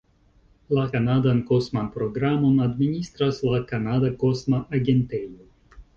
La kanadan kosman programon administras la Kanada Kosma Agentejo.